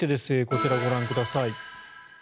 こちらご覧ください。